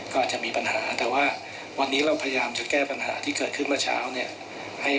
ก็อาจจะมีปัญหาแต่ว่าวันนี้เราพยายามจะแก้ปัญหาที่เกิดขึ้นเมื่อเช้าเนี่ย